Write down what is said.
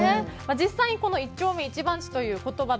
実際に一丁目一番地という言葉